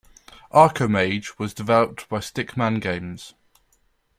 "Arcomage" was developed by Stickman Games.